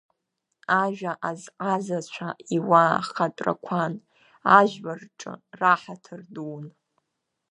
Ажәа азҟазацәа иуаа хатәрақәан, ажәлар рҿы раҳаҭыр дуун.